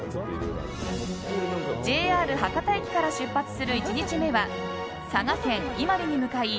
ＪＲ博多駅から出発する１日目は佐賀県伊万里に向かい